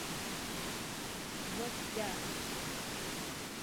وهک دار ---